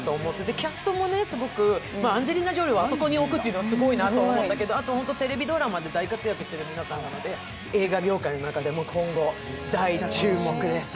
キャストもアンジェリーナ・ジョリーをあそこに置くのはすごいなと思ったけどテレビドラマで大活躍している皆さんなので映画業界の中でも今後、大注目です